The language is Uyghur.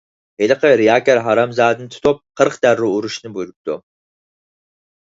ھېلىقى رىياكار ھارامزادىنى تۇتۇپ، قىرىق دەررە ئۇرۇشنى بۇيرۇپتۇ.